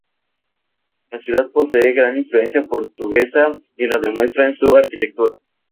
La ciudad posee gran influencia portuguesa, y lo demuestra en su arquitectura.